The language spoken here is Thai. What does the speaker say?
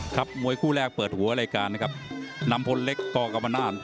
ครับมวยคู่แรกเปิดหัวรายการนะครับนำพลเล็กกรอกกับประนาท